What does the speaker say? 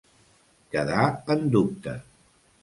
Quedar en dubte.